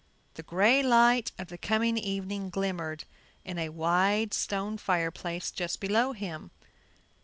The gray light of the coming evening glimmered in a wide stone fireplace just below him.